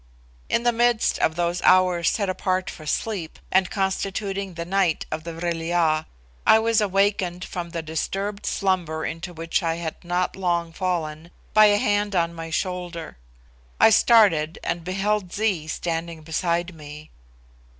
In the midst of those hours set apart for sleep and constituting the night of the Vril ya, I was awakened from the disturbed slumber into which I had not long fallen, by a hand on my shoulder. I started and beheld Zee standing beside me.